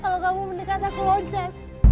kalau kamu mendekat aku lonceng